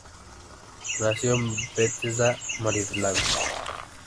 Nació en Bethesda, Maryland.